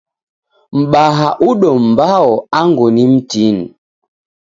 Mbaha udo mbao angu ni mtini.